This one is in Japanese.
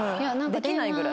できないぐらい。